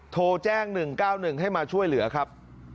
โทรแจ้งหนึ่งเก้าหนึ่งให้มาช่วยเหลือครับ